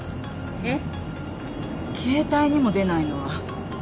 えっ！？